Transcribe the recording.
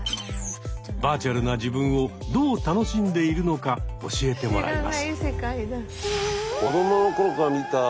バーチャルな自分をどう楽しんでいるのか教えてもらいます。